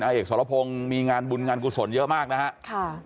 เอกสรพงศ์มีงานบุญงานกุศลเยอะมากนะครับ